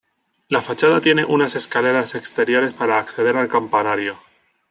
La fachada tiene unas escaleras exteriores para acceder al campanario.